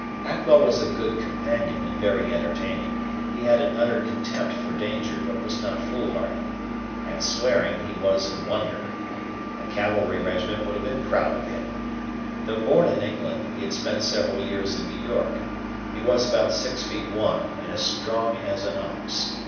Atwell was a good companion and very entertaining. He had an utter contempt for danger but was not foolhardy. At swearing he was a wonder. A cavalry regiment would have been proud of him. Though born in England, he had spent several years in New York. He was about six feet one, and as strong as an ox.